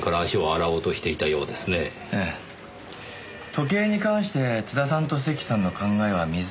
時計に関して津田さんと関さんの考えは水と油。